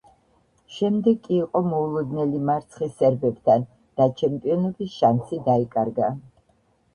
შემდეგ კი იყო მოულოდნელი მარცხი სერბებთან და ჩემპიონობის შანსი დაიკარგა.